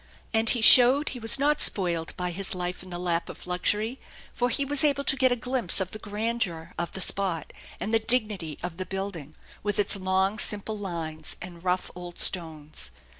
And he showed he was not spoiled by his life in the lap of luxury, for he was able to get a glimpse of the grandeur of the spot and the dignity of the building with its long simple lines and rough old stones.